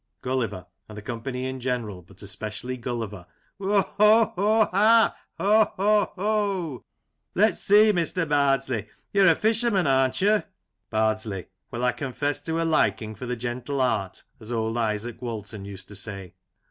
Gulliver {and the company in general, but especially Gulliver) : Ho ! ho ! ha ! Ho ! ho ! ho ! Lef s see, Mr. Bardsley, you're a fisherman, arn't you ? Bardsley: Well, I confess to a liking for the "gentle art," as old Isaak Walton used to say.